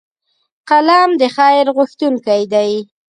قلم د خیر غوښتونکی دی